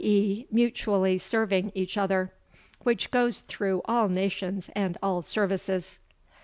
e. mutually serving each other.] which goes through all nations and all services."